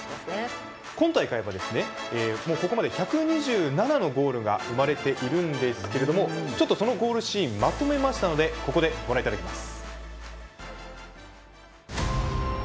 今大会はここまで１２７のゴールが生まれていますがそのゴールシーンをまとめましたのでここでご覧いただきます。